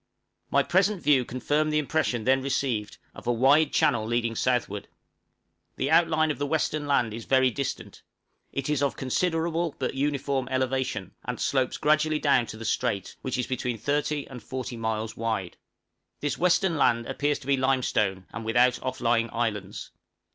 My present view confirmed the impression then received, of a wide channel leading southward. The outline of the western land is very distant; it is of considerable but uniform elevation, and slopes gradually down to the strait, which is between 30 and 40 miles wide. This western land appears to be limestone, and without off lying islands.